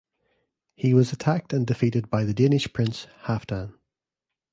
He was attacked and defeated by the Danish prince Halfdan.